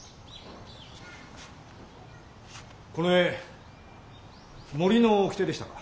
この絵「森の掟」でしたか。